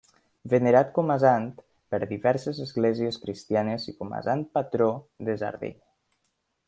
Venerat com a sant per diverses esglésies cristianes i com a sant patró de Sardenya.